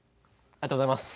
ありがとうございます。